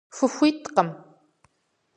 Фыхуиткъым!